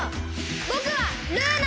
ぼくはルーナ！